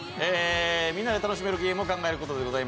みんなで楽しめるゲームを考えることです。